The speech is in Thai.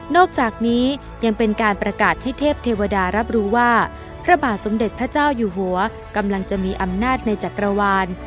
อกจากนี้ยังเป็นการประกาศให้เทพเทวดารับรู้ว่าพระบาทสมเด็จพระเจ้าอยู่หัวกำลังจะมีอำนาจในจักรวาล